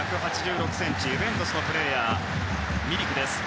１８６ｃｍユベントスのプレーヤーのミリクです。